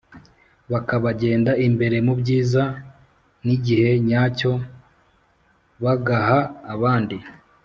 Bakabagenda imbere mu byizaN’igihe nyacyo bagaha abandi